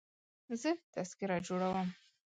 زه تذکره جوړوم.